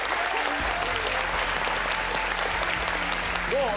どう？